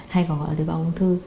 hay còn gọi là tế bào ung thư